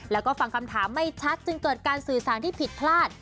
แล้วก็ฟังคำถามไม่ชัดจึงเกิดการสื่อสารที่ผิดพลาด